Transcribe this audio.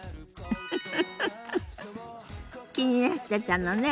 フフフフ気になってたのね。